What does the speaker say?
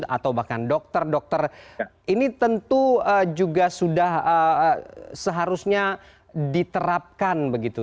atau bahkan dokter dokter ini tentu juga sudah seharusnya diterapkan begitu